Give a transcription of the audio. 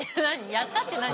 やったって何？